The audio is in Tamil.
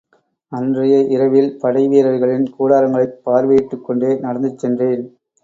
அன்றைய இரவில், படைவீரர்களின் கூடாரங்களைப் பார்வையிட்டுக் கொண்டே நடந்து சென்றேன்.